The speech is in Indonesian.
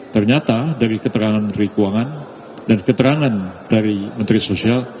ternyata dari keterangan menteri keuangan dan keterangan dari menteri sosial